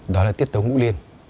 đó là tiết tấu ngũ liên